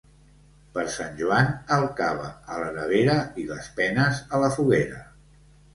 Per Sant Joan, el cava a la nevera i les penes a la foguera.